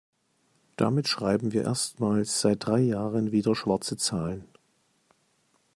Damit schreiben wir erstmals seit drei Jahren wieder schwarze Zahlen.